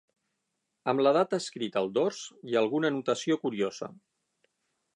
Amb la data escrita al dors, i alguna anotació curiosa.